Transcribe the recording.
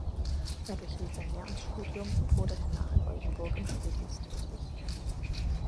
Er durchlief ein Lehramtsstudium und wurde hernach in Oldenburg im Schuldienst tätig.